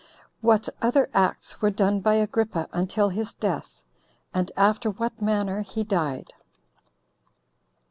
What Other Acts Were Done By Agrippa Until His Death; And After What Manner He Died.